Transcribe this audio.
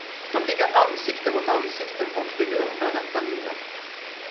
De ligger ansikte mot ansikte och begrundar detta nya.